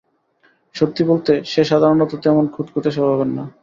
সত্যি বলতে, সে সাধারণত তেমন খুঁতখুঁতে স্বভাবের না।